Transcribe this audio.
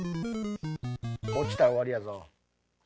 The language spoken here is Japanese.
落ちたら終わりやぞ。